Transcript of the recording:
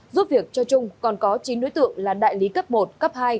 giúp việc cho trung còn có chín đối tượng là đại lý cấp một cấp hai